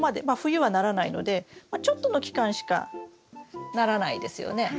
まあ冬はならないのでちょっとの期間しかならないですよね？